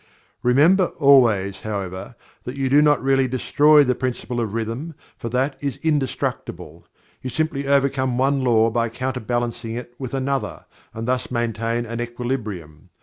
Remember always, however, that you do not really destroy the Principle of Rhythm, for that is indestructible. You simply overcome one law by counter balancing it with another and thus maintain an equilibrium.